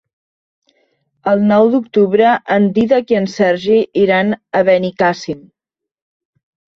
El nou d'octubre en Dídac i en Sergi iran a Benicàssim.